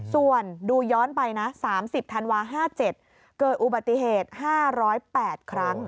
ส่วนดูย้อนไปนะ๓๐ธันวา๕๗เกิดอุบัติเหตุ๕๐๘ครั้ง